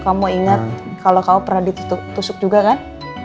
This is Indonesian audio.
kamu inget kalo kamu pernah ditusuk juga kan